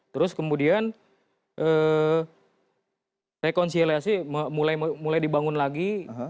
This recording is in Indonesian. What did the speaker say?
terus kemudian rekonsiliasi mulai dibangun lagi